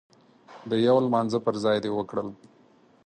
د يو لمانځه پر ځای دې وکړل.